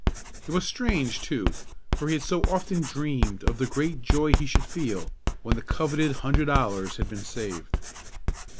It was strange, too, for he had so often dreamed of the great joy he should feel when the coveted hundred dollars had been saved.